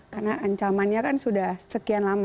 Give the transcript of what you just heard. karena ancamannya kan sudah sekian lama